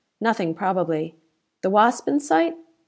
Nothing, probably." "The Wasp in sight?"